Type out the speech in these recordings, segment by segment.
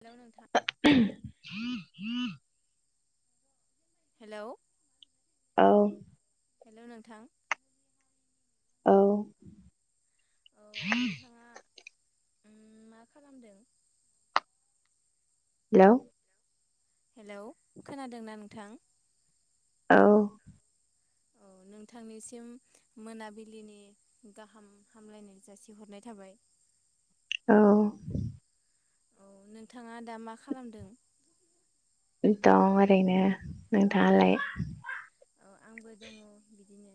Hello नोंथां औ hello औ हेलौ नोंथां औ औ नोंथाङा मा खालामदों हेलौ हेलौ खोनादोंना नोंथां औ औ नोंथांनिसिम मोनाबिलिनि गाहाम हामलायनाय जासिहरनाय थाबाय औ औ नोंथाङा दा मा खालामदों दं ओरैनो नोंथाङालाय औ आंबो दङ बिदिनो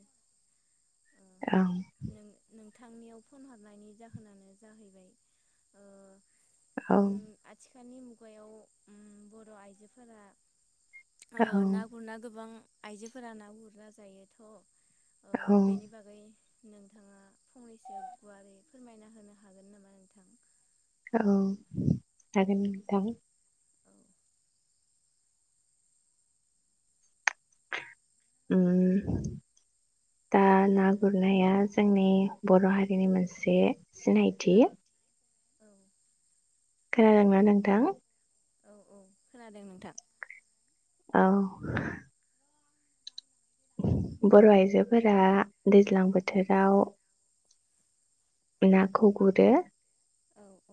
अ औ नों नों थांनियाव फन हरनायनि जाहोनानो जाहैबाय ओ औ खालनि मुगायाव ओम बर आइजोफोरा ओ ना गुरना गोबां आइजोफोरा ना गुरना जायोथ ओ औ बेनि जागोन बागै नोंथाङा फंनैसो गुवारै फोरमायना होनो हागोन नामा नोंथां औ हागोन नोथां औ उम दा ना गुरनाया जोंनि बर हारिनि मोनसे सिनायथि खोनादोंना नोंथां औ औ खोनादों नोंथां औ बर आइजोफोरा दैज्लां बोथोराव नाखौ गुरो औ औ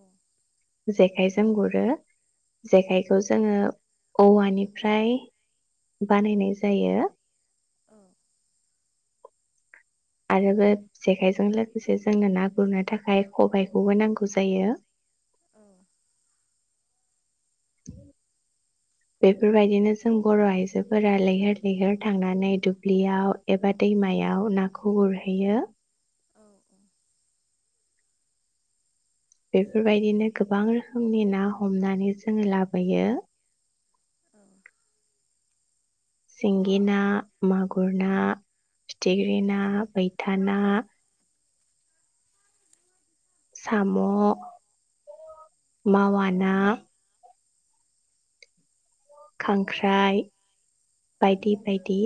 जेखाइजों गुरो औ जेखाइखौ जोङो औवानिफ्राय बानायनाय जायो औ आरोबो जेखाइजों लोगोसे जोंनो ना गुरनो थाखाय खबायाइखौबो नांगौ जायो [inaudible] बेफोरबायदिनो जों बर आइजोफोरा लैहोर लैहोर थांनानै दुब्लियाव एबा दैमायाव नाखौ गुरहैयो औ बेफोरबायदिनो गोबां रोखोमनि ना हमनानै जोङो लाबोयो सिंगि ना, मागुर ना, फिथिग्रि ना, बैथा ना साम, मावा ना खांख्राइ बायदि बायदि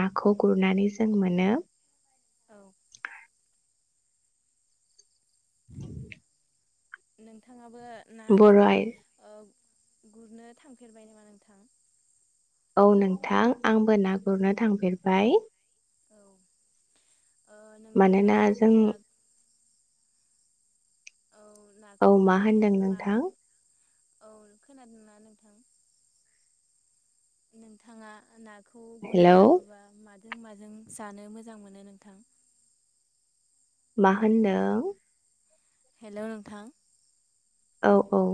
नाखौ गुरनानै जों मोनो औ [inaudible] नोंथाङाब बो बर' नाखौ आइ ओ ग गुरनो थांफेरबाय नामा नोंथां औ नोंथां आंबो ना गुरनो थांफेरबाय ओ नोंथाङा मानोना जों ना औ औ नाखौ मा माने होनदों मा नोंथां औ खोनादोंना नोंथां? नोंथाङा नाग खौ गुरना हेलौ लाबोबा माज माजों जानो मोजां मोनो नोंथां? मा होन्दों हेलौ नोंथां औ औ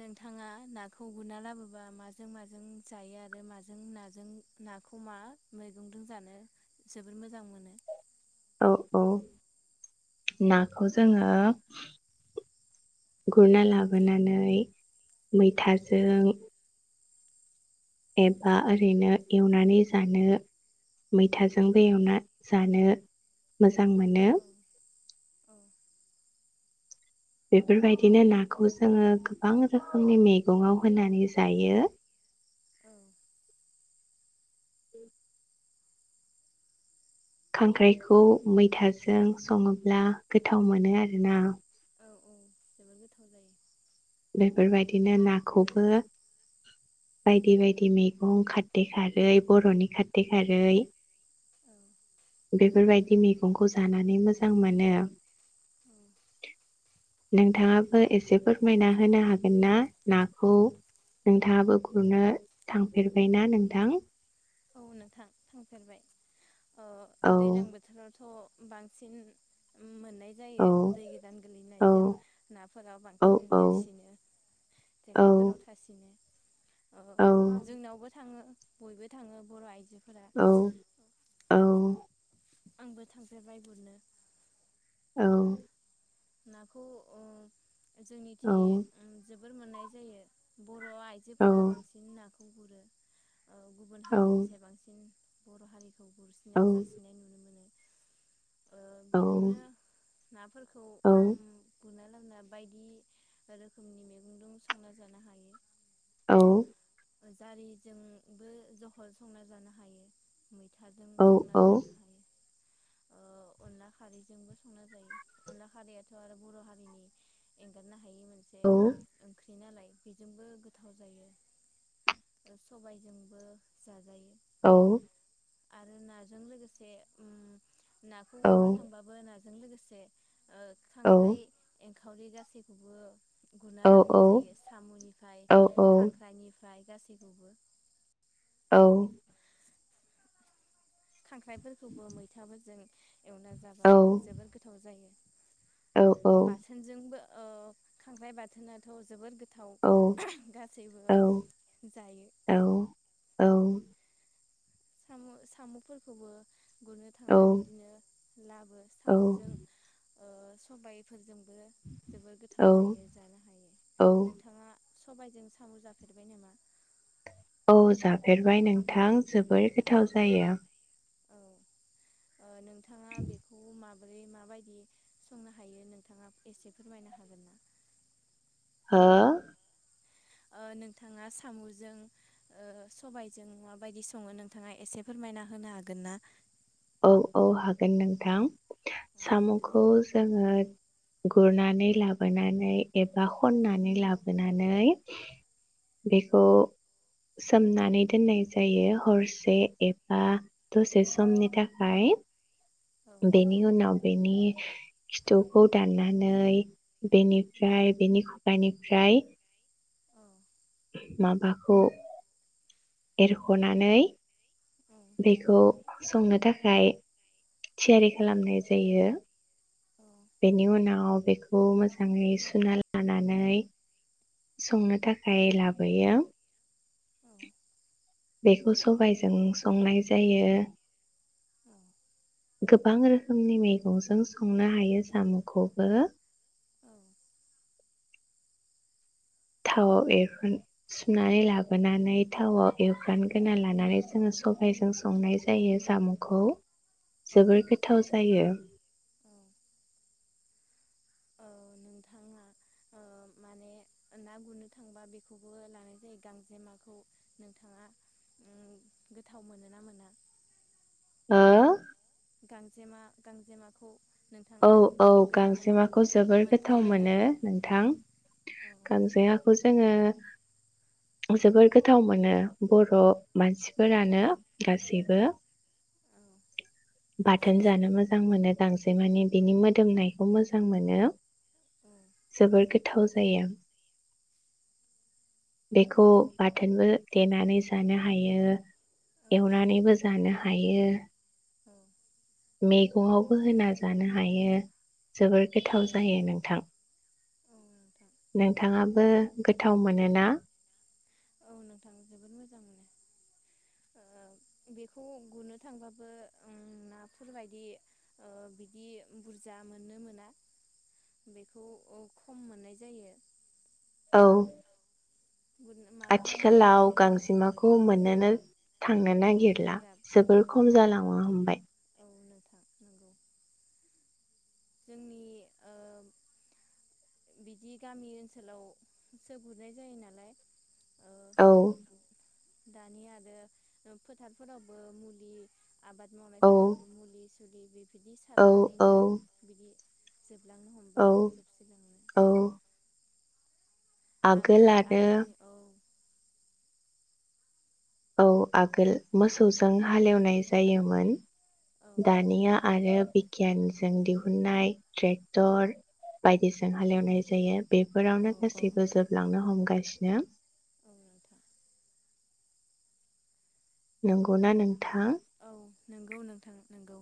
नोंथाङा नाखौ गुरना लाबोबा माजों माजों जायो आरो माजों नाजों नाखौ मा मैगंजों जानो जबोर मोजां मोनो औ औ नाखौ जोङो गुरना लाबोनानै मैथाजों एबा ओरैनो एवनानै जानो मैथाजोंबो एवना जानो मोजां मोनो औ औ बेफोरबायदिनो नाखौ जोङो गोबां रोखोमनि मैगङाव होनानै जायो [inaudible] खांख्राइखौ मैथाजों सङोब्ला गोथाव मोनो आरोना औ औ जबोर गोथाव जायो बेफोरबायदिनो नाखौबो बायदि बायदि मैगं खारदै खारै बरनि खारदै खारै औ बेफोरबायदि मैगंखौ जानानै मोजां मोनो नोंथाङाबो एसे फोरमायना होनो हागोन ना नाखौ नोंथाङाबो गुरनो थांफेरबायना नोंथां औ नोंथां थांफेरबाय ओ औ दैलां बोथोरावथ बांसिन मोननाय औ जायो दै गोदान औ गोलैनायजों नाफोराव औ बांसिन औ देरसिनो औ जेखाइफोराव थासिनो। अह औ जोंनावबो थाङो। बयबो। थाङो बर आइजो औ औ। आंबो थांफेरबाय गुरनो। औ नाखौ ओ जोंनिथि ओ जोब फोर मोननाय जायो। बर' औ आइजोफोरा बांसिन नाखौ खौ गुरो औ गुबुन हारिनिसेबांसिन बर' हारि खौ औ गुरसिना जासिनाय नुनो मोनो। ओ औ बिदिनो नाफोरखौ औ उम गुरना लाबना बायदि रोखोमनि मेगं दो संना जानो हायो। औ जारिजोंबो जहल संना जानो हायो। मैथाजों संना जानो हायो ओ अनला खारैजोंबो संना जायो अनला खारैयाथ आरो बर हारिनि एंगारनो हा हायै मोनसे ओंख्रि। नालाय बेजोंबो गोथाव जायो। ओ सबायजोंबो जाजायो। औ आरो नाजों लोगोसे उम नाखौ औ गुरनो थांबाबो ना जों लोगोसे ओ औ खांख्राइ एं खावरि गासैखौबो औ गुरना लाबोनाय जायो सामुनिफ्राय औ औ खांख्राइनि ओमफ्राय गासैखौबो औ खांख्राइफोरखौबो मैथाफोरजों एवना औ जाबा जोबोर गोथाव जायो बाथोन जोंबो ओ खांख्राइ बाथोनथ जोबोर गो औ थाव गासैबो जायो सामु सामु फोरखौबो गुरनो थांना बिदिनो लाबो सामुजों ओ सबाय फोरजों बो जोबोर गोथाव जायो जानो हायो नोंथाङा सबायजों साम जाफेरबाय नामा? औ जाफेरबाय नोंथां जोबोर गोथाव जायो। औ नोंथाङा बेखौ मा बै माबायदि संनो हायो नोंथाङा एसे फोरमायनो हागोन ना? हो? ओ नोंथाङा साम'जों ओ सबायजों माबायदि सङो नोंथाङा एसे फोरमायना होनो हागोन ना? औ औ हागोन नोंथां औ नोंथां साम'खौ जोङो गुरनानै लाबोनानै एबा खन्नानै लाबोनानै बेखौ सोमनानै दोननाय जायो हरसे एबा दसे समनि थाखाय य। औ बेनि उनाव बेनि खिथौखौ दाननानै बेनिफ्राय बेनि खुगानिफ्राय औ माबाखौ एरख'नानै औ बेखौ संनो थाखाय थियारि खालामनाय जायो। औ बेनि उनाव बेखौ मोजाङै सुना लानानै संनो थाखाय लाबोयो। बेखौ सबायजों संनाय जायो। गोबां रोखोमनि मैगंजों संनो हायो साम'खौबो। थावआव एवफ्र सुनानै लाबोनानै थावआव एवफ्राम ग्रोना लानानै जोङो सबायजों संनाय जायो साम'खौ। जोबोर गोथाव जायो। [unintelligible] औ औ नोंथाङा ओ माने ना गुरनो थांबा बेखौबो लानाय जायो गांजेमाखौ नोंथाङा उम गोथाव मोनो ना मोना? ओ? गांजेमा गांजेमाखौ। औ नोंथाङा औ गोथाव मोनोना गांजेमाखौ जोबोर गोथाव मोनफेरबायना मोनो नोंथां औ गांजेमाखौ जोङो जोबोर गोथाव मोनो बर' मानसिफोरानो गासैबो। बाथोन जानो मोजां मोनो गांजेमानि। बिनि मोदोमनायखौ मोजां मोनो औ जोबोर गोथाव जायो बेखौ बाथोनबो देनानै जानो हायो एवनानैबो जानो हायो। औ मैगङावबो होना जानो हायो। जोबोर औ गोथाव जायो नोंथां। औ नोंथां नोंथाङाबो गोथाव मोनोना? औ नोंथां जोबोद मोजां मोनो ओ‌ बेखौ गुरनो थांबाबो उम नाफोरबायायदि बिदि बुरजा मोननो मोना बेखौ खम मोननाय जायो। औ। गुरनो माफा मानै आथिखालाव मोननाय जायो बिदिनो गांजेमाखौ मोनोनो थांनो औ नागिरला गोब्राब जोबोर खम जालाङो हमबाय। औ नोंथां नंगौ जोंनि ओ बिदि गामि ओनसोलावसो गुरनाय जायो नालाय ओ औ। दानि आरो फोथारफोरावबो मुलि आबाद औ मावनायफोरावबो मुलि [unintelligible] बिदि औ औ सारनानैनो बिदि जोबलांनो औ हमबाय। जोबस्रिलांनो औ। आगोल आगोलनि औ। औ आगोल मोसौजों हालेवनाय जायोमोन। दानिया आरो बिगियानजों दिहुननाय ट्रेक्टर बायदिजों हालेवनाय जायो औ बेफोरावनो औ गासैबो जोबलांनो हमबाय गासिनो औ नंगौ ना नों थां नोंगौ नोंथां नोंगौ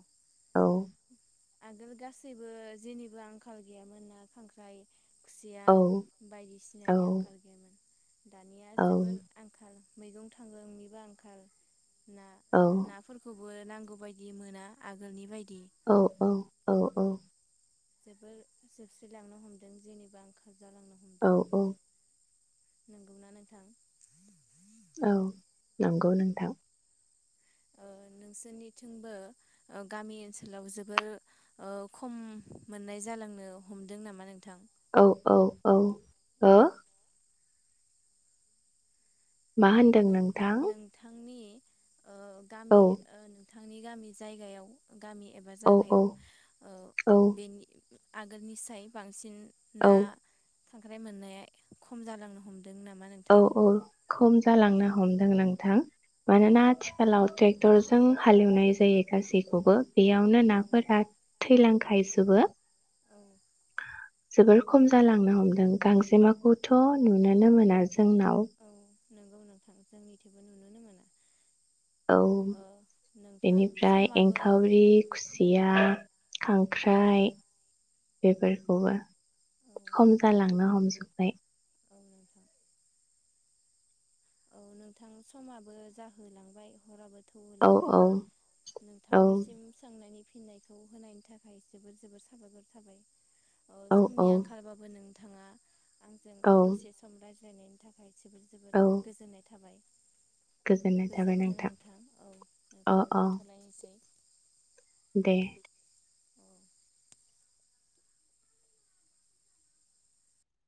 [unintelligible] आगोल गासैबो जेनिबो आंखाल गैयामोन ना खांख्राइ खुसिया औ औ बायदिसिनानि आंखाल गैयामोन दानिया औ जोबोर आंखाल मैगं थांगोंनिबो आंखाल ना औ नाफोरखौ बो नांगौ बायदि मोना आगोलनि बायदि औ औ औ औ जोबोर जोबस्रिलांनो हमदों जेनेबा आंखाल जालांनो औ हमदों औ नंगौना नोंथां औ नंगौ नोंथां उ नोंसोरनिथिंबो गामि ओनसोलाव जोबोर उ खम मोननाय जालांनो हमदों नामा नोंथां औ औ औ हो मा होनदों नोंथां? नोंथांनि ओ औ गामि नों थांनि गामि जायगायाव गामि एबा औ औ जागायाव ओ औ बेनि आगोलनि साय बांसिन ना औ खांख्राय मोननाया खम जालांनो हमदों दों नामा औ नोंथां औ खम जालांनो हमदों नोंथां मानोना आथिखालाव ट्रेक्टरजों हालेवनाय जायो गासैखौबो बेयावनो औ नाफोर हा थैलांखायजोबो औ जोबोर खम जालांनो हमदों गांजेमाखौथ नुुनोनो मोना जोंनाव नोंगौ नोंथां जोंनिथिबो नुुनोनो मोना। औ ओ नोंथां बेनिफ्राय समाबो एंखावरि खुसिया औ खांख्राइ बेफोरखौबो औ खम जालांनो हमजोबबाय। औ नोंथां। औ नोंथां समाबो जाहोलांबाय हराबो। गोबाव औ लांबाय औ नोंथांनिसिम सोंनायनि फिननायखौ होनायनि थाखाय जोबोर जोबोर साबायखर थाबाय औ समनि आंखालबाबो नों थाङा आंजों औ दसे सम राय नायनि थाखाय जोबोर औ जोबोर नाय थाबाय। गोजोननाय थाबाय गोजोन्थों नोंथां औ अ नोंथां अ दोनथलायनोसै। दे। औ